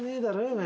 お前。